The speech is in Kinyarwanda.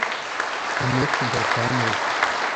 Nkeneye kugaruka hano ejo?